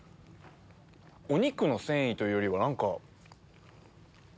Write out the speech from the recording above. お肉の繊維というよりは何か。